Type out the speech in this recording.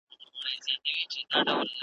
د تقدیر لوبه روانه پر خپل پله وه ,